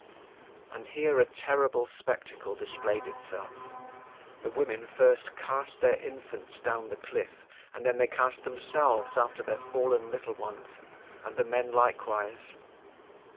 And here a terrible spectacle displayed itself: the women first cast their infants down the cliff, and then they cast themselves after 13 their fallen little ones, and the men likewise.